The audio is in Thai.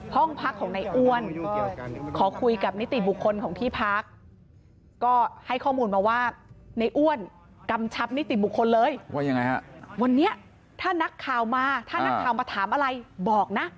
ถ้านักข่าวมาถามอะไรบอกนะ